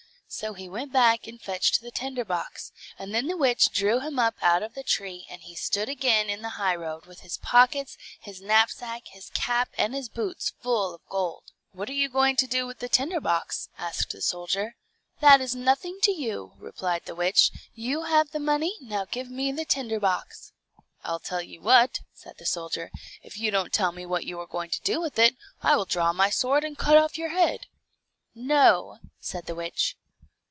So he went back and fetched the tinderbox, and then the witch drew him up out of the tree, and he stood again in the high road, with his pockets, his knapsack, his cap, and his boots full of gold. "What are you going to do with the tinder box?" asked the soldier. "That is nothing to you," replied the witch; "you have the money, now give me the tinder box." "I tell you what," said the soldier, "if you don't tell me what you are going to do with it, I will draw my sword and cut off your head." "No," said the witch.